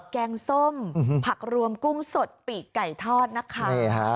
แกงส้มผักรวมกุ้งสดปีกไก่ทอดนะคะใช่ฮะ